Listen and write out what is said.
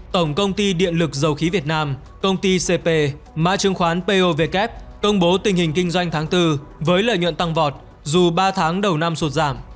tổng công ty điện lực dầu khí việt nam công ty cp mã chứng khoán pow công bố tình hình kinh doanh tháng bốn với lợi nhuận tăng vọt dù ba tháng đầu năm sụt giảm